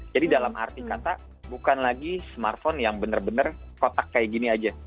jadi dalam arti kata bukan lagi smartphone yang bener bener kotak kayak gini aja